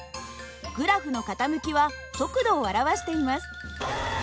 グラフの傾きは速度を表しています。